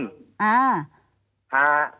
ค่ะ